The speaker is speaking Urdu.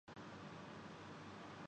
شہر کے سارے معززین کشمیر جا چکے ہیں